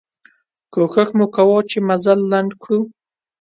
کوښښ مو کوه چې مزل لنډ کړو.